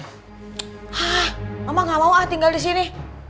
hah mama gak mau ah tinggal di sini